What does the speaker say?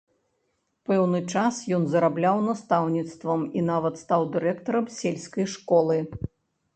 Пэўны час ён зарабляў настаўніцтвам і нават стаў дырэктарам сельскай школы.